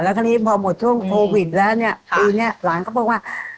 แล้วพอหมดช่วงโควิดปีนี้หลังก็บอกว่า